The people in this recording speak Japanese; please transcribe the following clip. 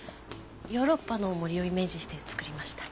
ヨーロッパの森をイメージして作りました。